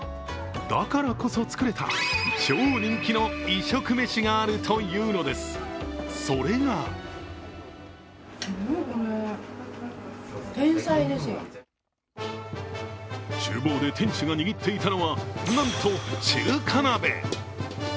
だからこそ作れた超人気の異色メシがあるというのです、それがちゅう房で店主が握っていたのは、なんと中華鍋。